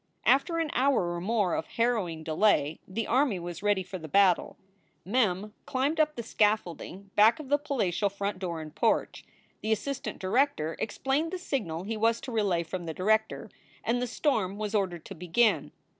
After an hour or more of harrowing delay the army was ready for the battle. Mem climbed up the scaffolding back SOULS FOR SALE 305 of the palatial front door and porch. The assistant director explained the signal he was to relay from the director, and the storm was ordered to begin.